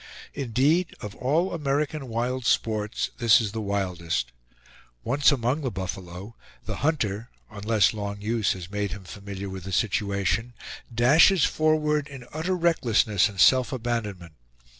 Indeed, of all American wild sports, this is the wildest. Once among the buffalo, the hunter, unless long use has made him familiar with the situation, dashes forward in utter recklessness and self abandonment.